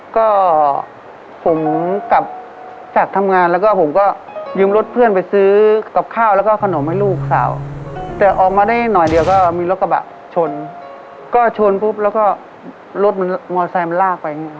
ก็ผมกลับจากทำงานแล้วก็ผมก็ยืมรถเพื่อนไปซื้อกับข้าวแล้วก็ขนมให้ลูกสาวแต่ออกมาได้หน่อยเดียวก็มีรถกระบะชนก็ชนปุ๊บแล้วก็รถมันมอไซค์มันลากไปอย่างนี้